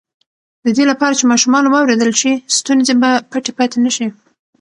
د دې لپاره چې ماشومان واورېدل شي، ستونزې به پټې پاتې نه شي.